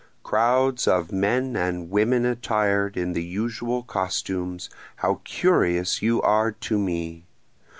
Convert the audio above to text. Crowds of men and women attired in the usual costumes, how curious you are to me!